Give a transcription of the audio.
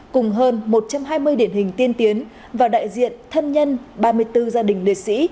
cùng hơn một trăm hai mươi điển hình tiên tiến và đại diện thân nhân ba mươi bốn gia đình liệt sĩ